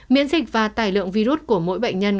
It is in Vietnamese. miễn dịch và tải lượng virus của mỗi bệnh nhân